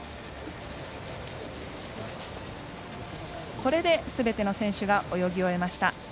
これですべての選手が泳ぎ終えました。